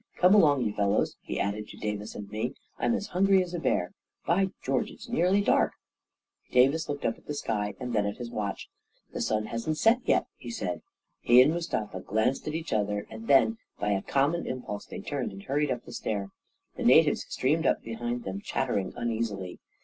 " Come along, you fellows," he added to Davis and me. " I'm as hungry as a bear ! By George, it's nearly dark !" Davis looked up at the sky and then at his watch. " The sun hasn't set yet/' he said. He and Mustafa glanced at each other, then, by a common impulse, they turned and hurried up the stair. The natives streamed up behind them, chat tering uneasily.